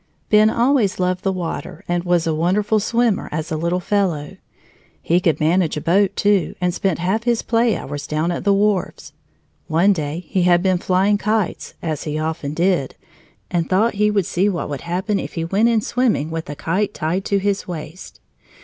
Ben always loved the water and was a wonderful swimmer as a little fellow. He could manage a boat, too, and spent half his play hours down at the wharves. One day he had been flying kites, as he often did, and thought he would see what would happen if he went in swimming with a kite tied to his waist.